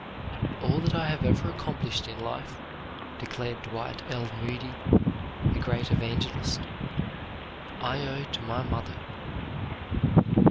"All that I have ever accomplished in life," declared Dwight L. Moody, the great evangelist, "I owe to my mother."